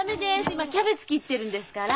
今キャベツ切ってるんですから。